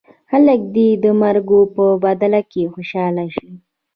خلک دې د مرکو په بدل کې خوشاله شي.